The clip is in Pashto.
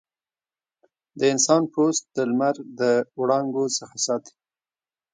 د انسان پوست د لمر د وړانګو څخه ساتي.